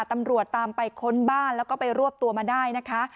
ตำรวจตามไปค้นบ้านแล้วก็ไปรวบตัวมาได้นะคะ